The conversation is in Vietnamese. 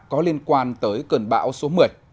có liên quan tới cơn bão số một mươi